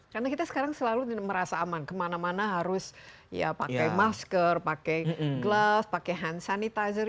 karena kita sekarang selalu merasa aman kemana mana harus pakai masker pakai gloves pakai hand sanitizer